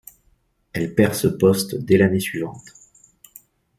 Elle perd ce poste dès l'année suivante.